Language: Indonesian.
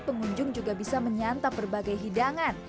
pengunjung juga bisa menyantap berbagai hidangan